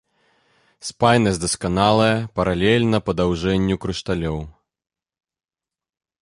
Спайнасць дасканалая, паралельна падаўжэнню крышталёў.